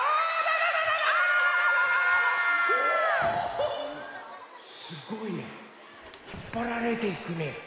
おすごいねひっぱられていくね。